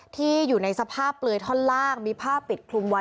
ที่อยู่ในสภาพเปลือยท่อนล่างมีผ้าปิดคลุมไว้